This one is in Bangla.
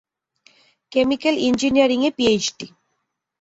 কেমিকেল ইঞ্জিনিয়ারিংয়ে পিএইচডি।